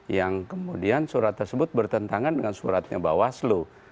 yang kemudian surat tersebut bertentangan dengan suratnya bawah aslu